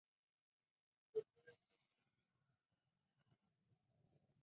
He was considered to be one of the greatest Canadian rugby coaches.